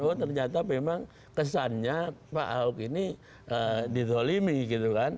oh ternyata memang kesannya pak ahok ini dizolimi gitu kan